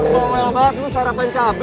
lo tuh goel banget lo sarapan cabai